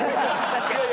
確かに。